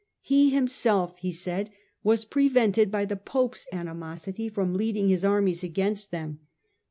He himself, he said, was pre vented by the Pope's animosity from leading his armies against them.